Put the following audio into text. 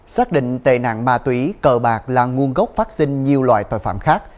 xác định tệ nạn ma túy cờ bạc là nguồn gốc phát sinh nhiều loại tội phạm khác